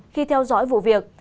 khi theo dõi vụ việc